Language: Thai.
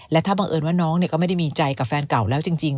และถ้าบังเอิญว่าน้องก็ไม่ได้มีใจกับแฟนเก่าแล้วจริง